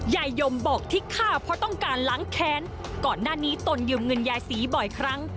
ยมบอกที่ฆ่าเพราะต้องการล้างแค้นก่อนหน้านี้ตนยืมเงินยายศรีบ่อยครั้ง